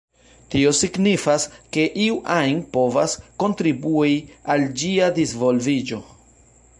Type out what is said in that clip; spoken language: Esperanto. Tio signifas ke iu ajn povas kontribui al ĝia disvolviĝo.